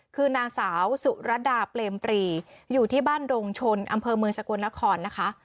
คือนางสาวสุรดาเปรมปรีอยู่ที่บ้านดงชนอำเภอเมืองสกลนครนะคะ